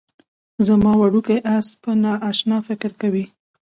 زما وړوکی اس به نا اشنا فکر کوي